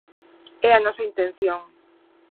É a nosa intención.